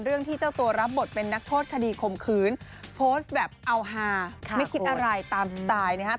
เรื่องที่เจ้าตัวรับบทเป็นนักโทษคดีข่มขืนโพสต์แบบเอาฮาไม่คิดอะไรตามสไตล์นะครับ